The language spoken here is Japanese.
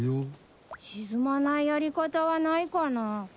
沈まないやり方はないかな？